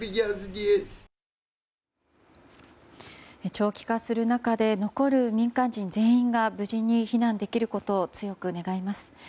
長期化する中で残る民間人全員が無事に避難できることを強く願います。